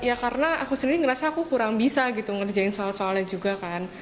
ya karena aku sendiri ngerasa aku kurang bisa gitu ngerjain soal soalnya juga kan